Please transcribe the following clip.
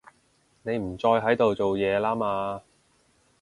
你唔再喺度做嘢啦嘛